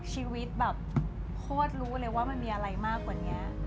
ชีวิตแบบโคตรรู้เลยว่ามันมีอะไรมากกว่านี้